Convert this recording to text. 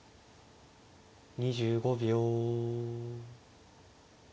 ２５秒。